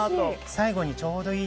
最後にちょうどいい。